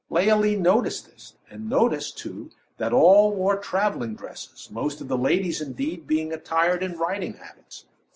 Leoline noticed this, and noticed, too, that all wore traveling dresses most of the ladies, indeed, being attired in riding habits.